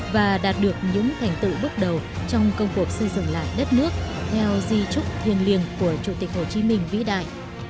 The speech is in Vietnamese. và đạt được những thành tựu bước đầu trong công cuộc xây dựng lại đất nước theo di trúc thiêng liêng của chủ tịch hồ chí minh vĩ đại